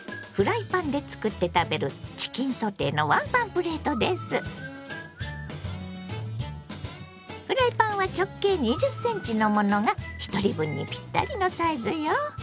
フライパンで作って食べるフライパンは直径２０ｃｍのものがひとり分にぴったりのサイズよ。